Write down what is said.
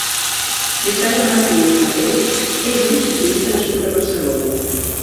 Ricardo Martínez Matei és un ciclista nascut a Barcelona.